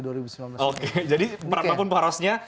jadi apapun porosnya